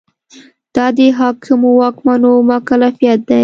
دا د حاکمو واکمنو مکلفیت دی.